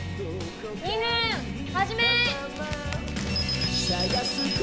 ２分始め！